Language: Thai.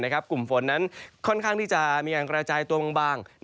กลุ่มฝนนั้นค่อนข้างที่จะมีการกระจายตัวบาง